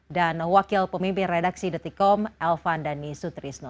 dan wakil pemimpin redaksi dtkm elvan dhani sutrisno